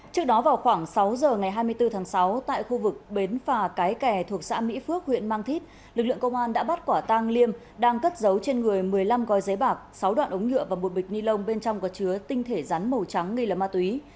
trước đó vào khoảng sáu giờ ngày hai mươi bốn tháng sáu tại khu vực bến phà cái kè thuộc xã mỹ phước huyện mang thít lực lượng công an đã bắt quả tang liêm đang cất giấu trên người một mươi năm gói giấy bạc sáu đoạn ống nhựa và một bịch ni lông bên trong có chứa tinh thể rắn màu trắng nghi là ma túy